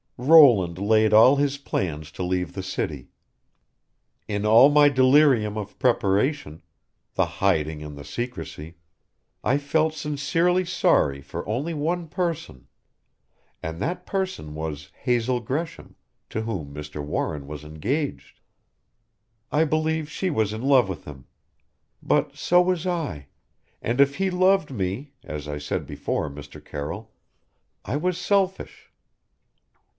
"Roland laid all his plans to leave the city. In all my delirium of preparation the hiding and the secrecy I felt sincerely sorry for only one person, and that person was Hazel Gresham to whom Mr. Warren was engaged. I believe she was in love with him. But so was I and if he loved me as I said before, Mr. Carroll I was selfish!